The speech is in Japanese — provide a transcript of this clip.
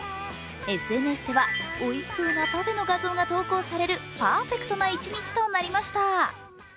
ＳＮＳではおいしそうなパフェの画像が投稿される、パーフェクトな一日となりました。